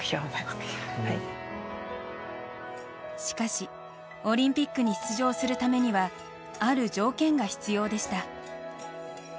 しかし、オリンピックに出場するためにはある条件が必要でした。